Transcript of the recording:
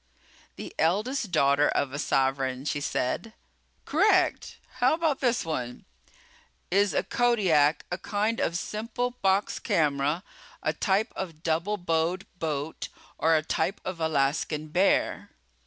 "The eldest daughter of a sovereign," she said. "Correct! How about this one? Is a Kodiak a kind of simple box camera; a type of double bowed boat; or a type of Alaskan bear?"